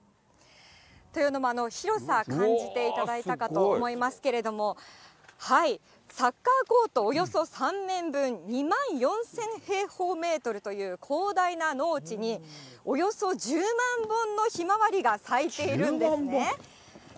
というのも、広さを感じていただいたかと思いますけれども、サッカーコートおよそ３面分、２万４０００平方メートルという広大な農地に、およそ１０万本のひまわりが咲いているんですね。